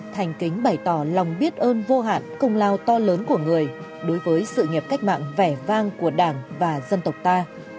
thành kính bày tỏ lòng biết ơn vô hạn công lao to lớn của người đối với sự nghiệp cách mạng vẻ vang của đảng và dân tộc ta